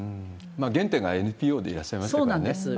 原点がＮＰＯでいらっしゃいましたからね。